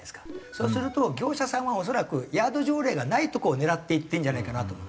そうすると業者さんは恐らくヤード条例がないとこを狙っていってるんじゃないかなと思いますね。